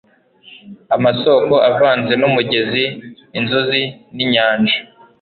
amasoko avanze n'umugezi inzuzi n'inyanja